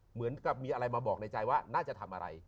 เหมือนกับมีอะไรมาบอกในใจว่าน่าจะทำอะไร